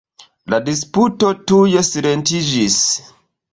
La disputo tuj silentiĝis.